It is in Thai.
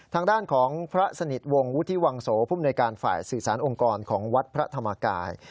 ทางด้านของพระสนิทวงศ์วุฒิวังโสภูมิในการฝ่ายสื่อสารองค์กรของวัดพระธรรมกาย